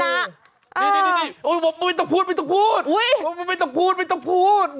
นี่บอกมึงไม่ต้องพูดไม่ต้องพูดไม่ต้องพูดไม่ต้องพูด